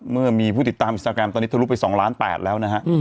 เมื่อมีผู้ติดตามอินสตาแกรมตอนนี้ทะลุไป๒ล้าน๘แล้วนะฮะ